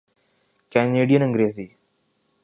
Canadian Angrezi